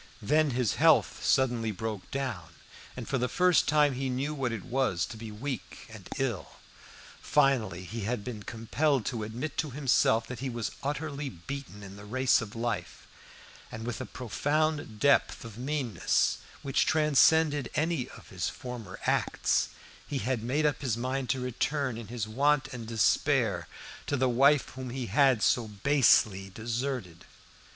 Then his health suddenly broke down, and for the first time he knew what it was to be weak and ill. Finally he had been compelled to admit to himself that he was utterly beaten in the race of life; and with a profound depth of meanness which transcended any of his former acts, he had made up his mind to return in his want and despair, to the wife whom he had so basely deserted.